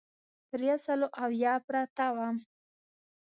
پر یو سل اویا پرته وه.